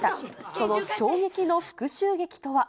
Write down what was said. その衝撃の復しゅう劇とは。